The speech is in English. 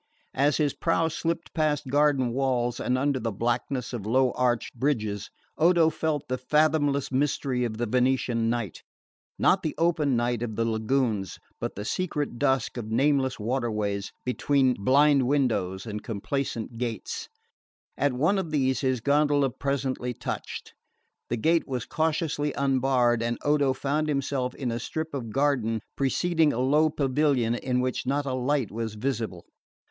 As his prow slipped past garden walls and under the blackness of low ached bridges Odo felt the fathomless mystery of the Venetian night: not the open night of the lagoons, but the secret dusk of nameless waterways between blind windows and complaisant gates. At one of these his gondola presently touched. The gate was cautiously unbarred and Odo found himself in a strip of garden preceding a low pavilion in which not a light was visible.